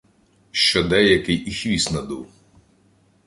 Що деякий і хвіст надув.